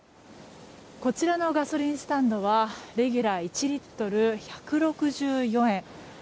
こちらのガソリンスタンドはレギュラー１リットル１６４円。